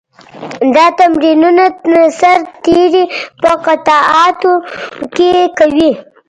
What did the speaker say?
دا تمرینونه سرتېري په قطعاتو کې کوي.